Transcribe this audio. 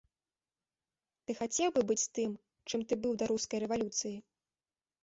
Ты хацеў бы быць тым, чым ты быў да рускай рэвалюцыі?